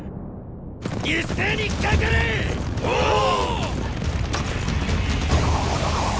一斉にかかれっ！！